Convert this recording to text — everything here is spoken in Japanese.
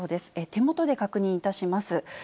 手元で確認いたします。